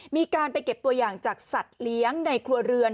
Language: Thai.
มีการไปเก็บตัวอย่างจากสัตว์เลี้ยงในครัวเรือน